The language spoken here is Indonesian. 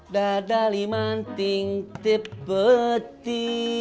dadali manting tipeti